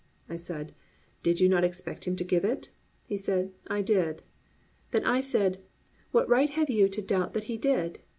I said, "Did you not expect Him to give it?" He said, "I did." Then I said, "What right have you to doubt that He did?"